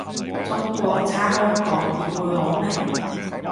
中國差香港點會好呢？